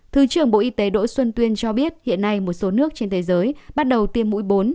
thứ trưởng bộ y tế đỗ xuân tuyên cho biết hiện nay một số nước trên thế giới bắt đầu tiêm mũi bốn